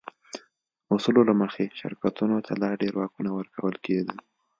اصولو له مخې شرکتونو ته لا ډېر واکونه ورکول کېده.